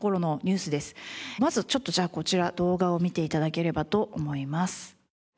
まずちょっとじゃあこちら動画を見て頂ければと思います。